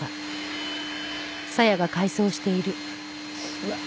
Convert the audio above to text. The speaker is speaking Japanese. うわっ。